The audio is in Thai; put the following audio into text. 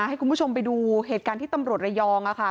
ให้คุณผู้ชมไปดูเหตุการณ์ที่ตำรวจระยองค่ะ